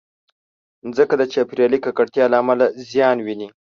مځکه د چاپېریالي ککړتیا له امله زیان ویني.